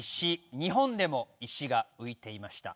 日本でも石が浮いていました